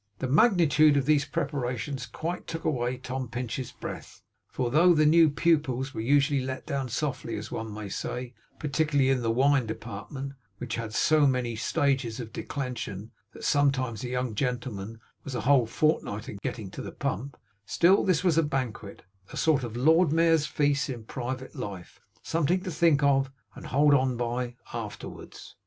The magnitude of these preparations quite took away Tom Pinch's breath; for though the new pupils were usually let down softly, as one may say, particularly in the wine department, which had so many stages of declension, that sometimes a young gentleman was a whole fortnight in getting to the pump; still this was a banquet; a sort of Lord Mayor's feast in private life; a something to think of, and hold on by, afterwards.